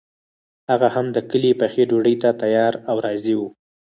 هغه هم د کلي پخې ډوډۍ ته تیار او راضي وو.